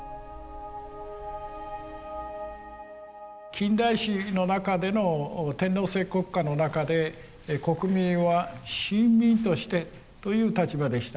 近代史の中での天皇制国家の中で国民は臣民としてという立場でした。